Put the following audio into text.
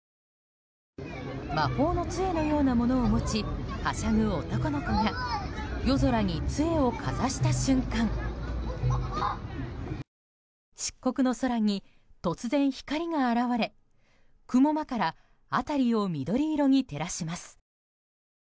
魔法の杖のようなものを持ちはしゃぐ男の子が夜空に杖をかざした瞬間漆黒の空に突然、光が現れ雲間から辺りを緑色に照らします。